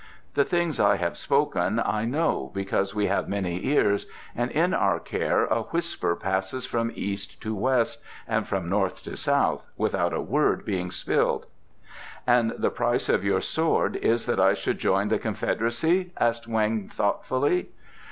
The things I have spoken I know because we have many ears, and in our care a whisper passes from east to west and from north to south without a word being spilled." "And the price of your sword is that I should join the confederacy?" asked Weng thoughtfully.